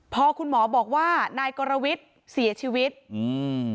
พอคุณหมอบอกว่านายกรวิทย์เสียชีวิตอืม